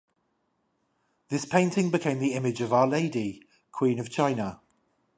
This painting became the image of Our Lady, Queen of China.